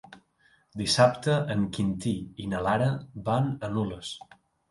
Dissabte en Quintí i na Lara van a Nules.